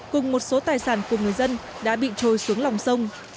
cùng một số tài sản của người dân đã bị trôi xuống lòng sông